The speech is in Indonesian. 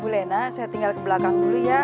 bu lena saya tinggal ke belakang dulu ya